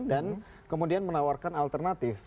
dan kemudian menawarkan alternatif